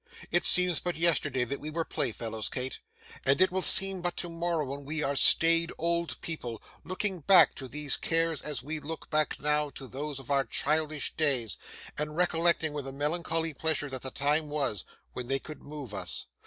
It seems but yesterday that we were playfellows, Kate, and it will seem but tomorrow when we are staid old people, looking back to these cares as we look back, now, to those of our childish days: and recollecting with a melancholy pleasure that the time was, when they could move us.